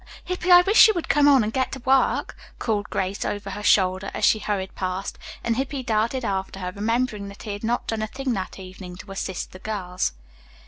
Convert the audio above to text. "Hippy, I wish you would come on and get to work," called Grace over her shoulder, as she hurried past, and Hippy darted after her, remembering that he had not done a thing that evening to assist the girls.